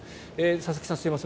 佐々木さん、すいません